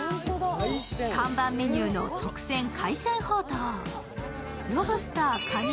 看板メニューの特選海鮮ほうとう。